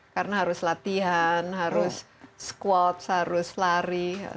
karena harus latihan harus squat harus lari